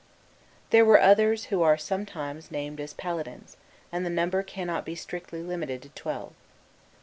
There were others who are sometimes named as paladins, and the number cannot be strictly limited to twelve.